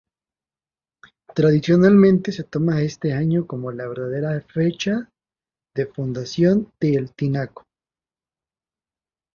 Tradicionalmente se toma este año como la verdadera fecha de fundación de El Tinaco.